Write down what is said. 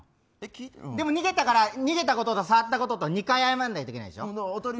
でも逃げたから逃げたことと触ったことと２回謝らないといけないでしょ。